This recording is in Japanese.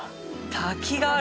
滝がある。